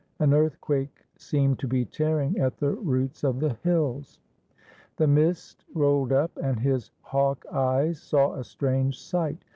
An earthquake seemed to be tearing at the roots of the hills. The mist rolled up and his hawk eyes saw a strange sight.